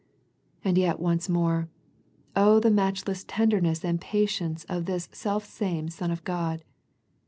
And yet once more. Oh, the matchless ten derness and patience of this selfsame Son of God.